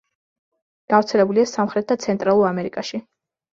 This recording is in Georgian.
გავრცელებულია სამხრეთ და ცენტრალურ ამერიკაში.